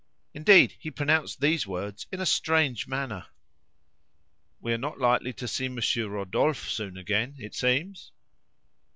Indeed he pronounced these words in a strange manner: "We are not likely to see Monsieur Rodolphe soon again, it seems."